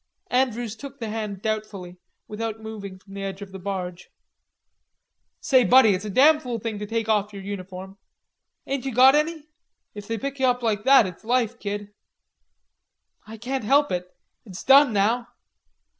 Andrews took the hand doubtfully, without moving from the edge of the barge. "Say, Buddy, it's a damn fool thing to take off your uniform. Ain't you got any? If they pick you up like that it's life, kid." "I can't help it. It's done now."